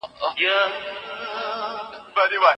کله چې خبرې لومړیتوب ولري، باور پیاوړی کېږي.